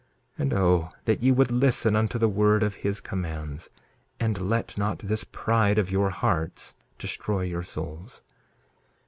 And, O that ye would listen unto the word of his commands, and let not this pride of your hearts destroy your souls!